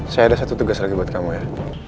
saya ada satu tugas lagi buat kamu ya